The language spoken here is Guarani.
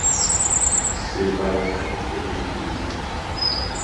Che vare'aitereíkuri.